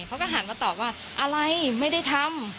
เขาก็หันมาตอบว่าอะไรไม่ได้ทำ